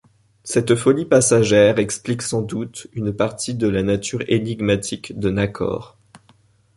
Cette folie passagère explique sans doute une partie de la nature énigmatique de Nakor.